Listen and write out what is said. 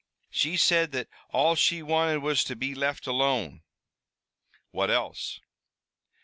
"She said that all she wanted was to be left alone." "What else?"